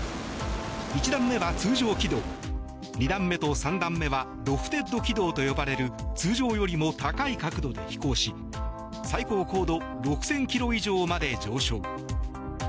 １段目は通常軌道２段目と３段目はロフテッド軌道と呼ばれる通常よりも高い角度で飛行し最高高度６０００ｋｍ以上まで上昇。